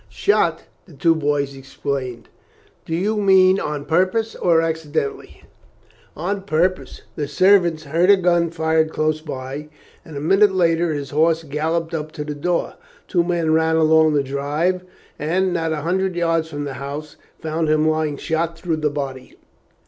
"Shot!" the two boys exclaimed. "Do you mean on purpose or accidentally?" "On purpose. The servants heard a gun fired close by, and a minute later his horse galloped up to the door. Two men ran along the drive, and, not a hundred yards from the house, found him lying shot through the body.